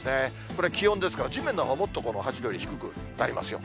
これ、気温ですから、地面のほうはもっとこの８度より低くなりますよ。